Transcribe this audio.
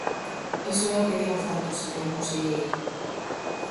Iso é o que din os datos, señora conselleira.